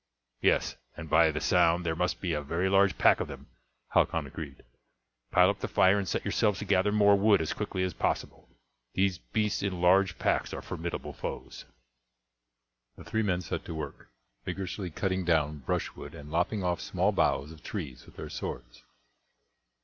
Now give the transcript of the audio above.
"Yes, and by the sound there must be a very large pack of them," Halcon agreed; "pile up the fire and set yourselves to gather more wood as quickly as possible; these beasts in large packs are formidable foes." The three men set to work, vigourously cutting down brushwood and lopping off small boughs of trees with their swords.